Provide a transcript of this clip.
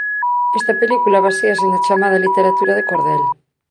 Esta película baséase na chamada literatura de cordel.